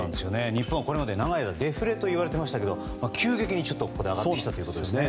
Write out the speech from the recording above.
日本はこれまで長い間デフレと言われましたがここにきて急激に上がってきたということですね。